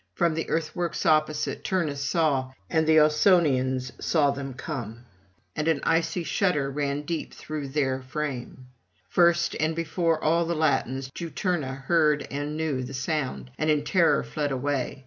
From his earthworks opposite Turnus saw and the Ausonians saw them come, and an icy shudder ran deep through their frame; first and before all the Latins Juturna heard and knew the sound, and in terror fled away.